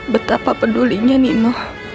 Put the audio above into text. betapa pedulinya nino